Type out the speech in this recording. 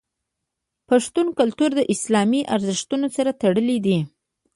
پښتون کلتور د اسلامي ارزښتونو سره تړلی دی.